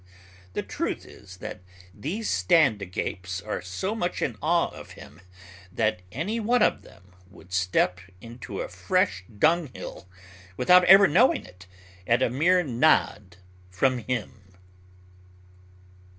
The truth is, that these stand a gapes are so much in awe of him that any one of them would step into a fresh dunghill without ever knowing it, at a mere nod from him!"